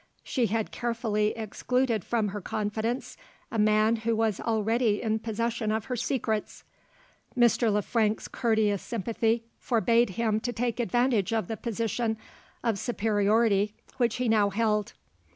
She had carefully excluded from her confidence a man who was already in possession of her secrets! Mr. Le Frank's courteous sympathy forbade him to take advantage of the position of superiority which he now held.